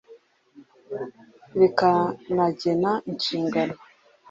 rikanagena inshingano